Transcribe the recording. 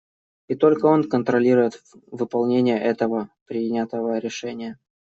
И только он контролирует выполнение этого принятого решения.